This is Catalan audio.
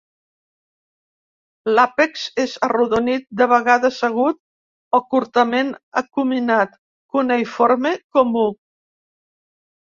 L'àpex és arrodonit, de vegades agut o curtament acuminat; cuneïforme comú.